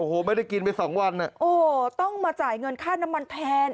โอ้โหไม่ได้กินไปสองวันอ่ะโอ้โหต้องมาจ่ายเงินค่าน้ำมันแทน